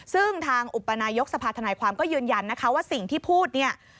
ซึ่งทางอุปนายกสภาธนายความก็ยืนยันนะคะว่าสิ่งที่พูดเนี่ย